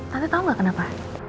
tante tau gak kenapa